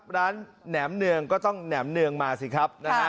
ร้านแหน่มเนืองก็ต้องแหน่มเนืองมาสิครับ